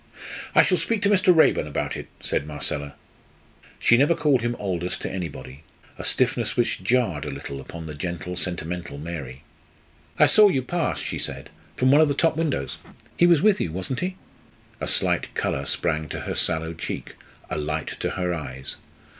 "I shall speak to Mr. Raeburn about it," said Marcella. She never called him "Aldous" to anybody a stiffness which jarred a little upon the gentle, sentimental Mary. "I saw you pass," she said, "from one of the top windows. He was with you, wasn't he?" A slight colour sprang to her sallow cheek, a light to her eyes.